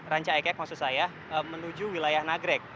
ranca ekek maksud saya menuju wilayah nagrek